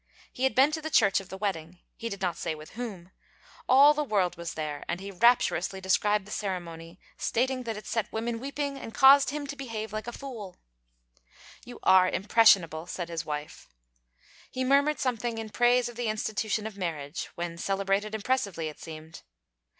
He had been to the church of the wedding he did not say with whom: all the world was there; and he rapturously described the ceremony, stating that it set women weeping and caused him to behave like a fool. 'You are impressionable,' said his wife. He murmured something in praise of the institution of marriage when celebrated impressively, it seemed.